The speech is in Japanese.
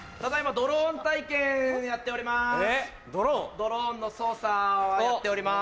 ドローンの操作をやっております。